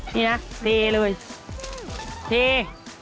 นี่นะดีเลยดี